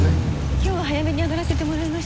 今日は早めに上がらせてもらいましたので。